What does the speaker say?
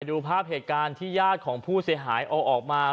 ดูภาพเหตุการณ์ที่ญาติของผู้เสียหายเอาออกมา